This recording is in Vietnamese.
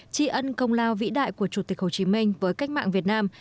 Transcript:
tri ân công lao vĩ đại của chủ tịch hồ chí minh với cách mạng việt nam